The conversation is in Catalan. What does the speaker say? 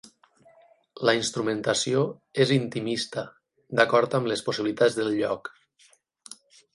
La instrumentació és intimista, d'acord amb les possibilitats del lloc.